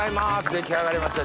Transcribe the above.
出来上がりました